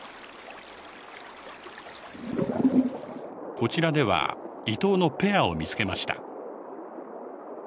こちらではイトウのペアを見つけました。